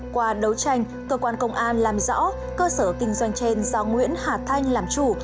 qua đấu tranh cơ quan công an làm rõ cơ sở kinh doanh trên do nguyễn hà thanh làm chủ